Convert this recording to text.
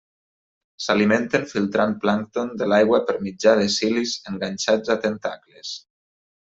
S'alimenten filtrant plàncton de l'aigua per mitjà de cilis enganxats a tentacles.